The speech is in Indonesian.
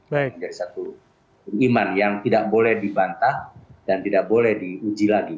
menjadi satu iman yang tidak boleh dibantah dan tidak boleh diuji lagi